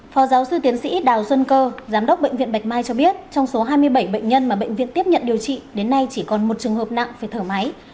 phó giáo sư tiến sĩ đào xuân cơ giám đốc bệnh viện bạch mai cho biết trong số hai mươi bảy bệnh nhân mà bệnh viện tiếp nhận điều trị đến nay chỉ còn một trường hợp nặng phải thở máy